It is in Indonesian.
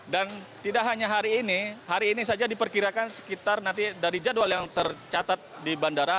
dan tidak hanya hari ini hari ini saja diperkirakan sekitar nanti dari jadwal yang tercatat di bandara